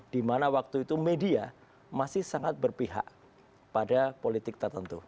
dimana waktu itu media masih sangat berpihak pada politik tertentu